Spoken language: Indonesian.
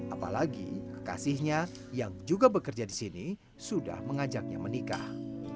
apalagi kekasihnya yang juga bekerja di sini sudah mengajaknya menikah